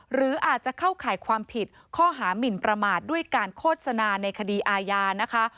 หรืออาจจะเข้าข่ายความผิดข้อหามินประมาทด้วยการโฆษณาในคดีอาญานะคะ